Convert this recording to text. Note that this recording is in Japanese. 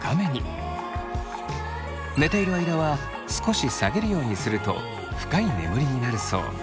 寝ている間は少し下げるようにすると深い眠りになるそう。